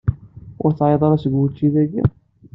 Ur teɛyiḍ ara seg učči dayi?